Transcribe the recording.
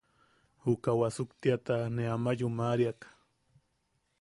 Juka wasuktiata ne ama yumaʼariak.